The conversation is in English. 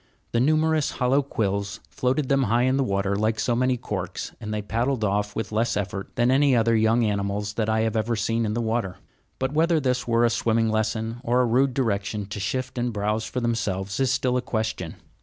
The numerous hollow quills floated them high in the water, like so many corks, and they paddled off with less effort than any other young animals that I have ever seen in the water. But whether this were a swimming lesson, or a rude direction to shift and browse for themselves, is still a question.